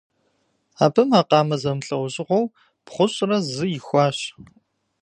Абы макъамэ зэмылӀэужьыгъуэу бгъущӏрэ зы ихуащ.